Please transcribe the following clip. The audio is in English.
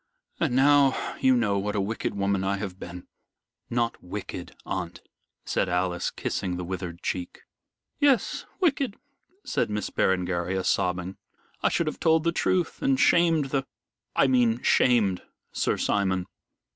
And now you know what a wicked woman I have been." "Not wicked, aunt," said Alice, kissing the withered cheek. "Yes, wicked," said Miss Berengaria, sobbing, "I should have told the truth and shamed the I mean shamed Sir Simon.